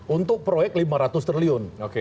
untuk proyek lima ratus triliun